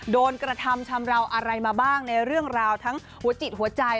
โดนกระทำชำราวอะไรมาบ้างในเรื่องราวทั้งหัวจิตหัวใจ